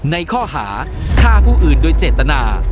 ในข้อหาฆ่าผู้อื่นโดยเจตนา